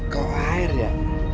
kau air ya